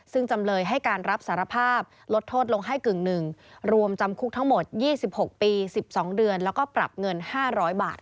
ซึ่งจำเลยให้การรับสารภาพลดโทษลงให้กึ่งหนึ่งรวมจำคุกทั้งหมด๒๖ปี๑๒เดือนแล้วก็ปรับเงิน๕๐๐บาท